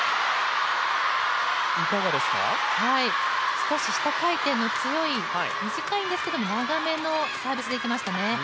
少し下回転の強い短いんですけど長めのサービスでいきましたね。